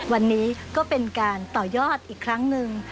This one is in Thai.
วันนี้ก็เป็นการต่อยอดอีกครั้งหนึ่ง